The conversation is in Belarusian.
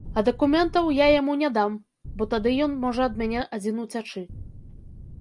А дакументаў я яму не дам, бо тады ён можа ад мяне адзін уцячы.